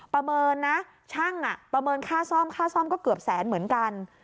ประเมินนะช่างประเมินค่าซ่อมค่าซ่อมก็เกือบแสนเหมือนกัน